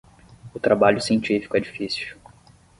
O trabalho científico é difícil.